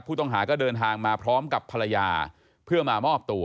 ผู้ต้องหาก็เดินทางมาพร้อมกับภรรยาเพื่อมามอบตัว